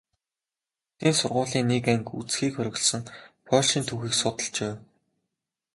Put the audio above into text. Охидын сургуулийн нэг анги үзэхийг хориглосон польшийн түүхийг судалж байв.